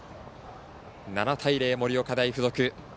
７対０、盛岡大付属。